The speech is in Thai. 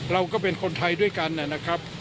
เราก็เป็นคนไทยด้วยกัน